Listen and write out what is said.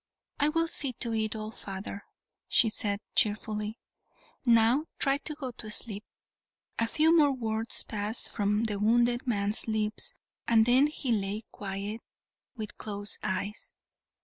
"I will see to it all, father," she said, cheerfully; "now try to go to sleep." A few more words passed from the wounded man's lips, and then he lay quiet with closed eyes.